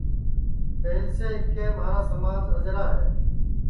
پہلیس اِٻکے مھارا سماج اجرا ہے